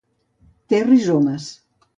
Té rizomes.